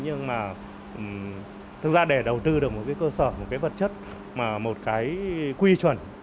nhưng mà thực ra để đầu tư được một cơ sở một vật chất một quy chuẩn